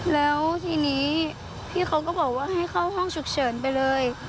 แล้วทีนี้พี่เขาก็บอกว่าให้เข้าห้องฉุกเฉินไปเลย